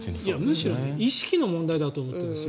むしろ意識の問題だと思っています。